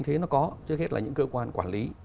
thế nó có trước hết là những cơ quan quản lý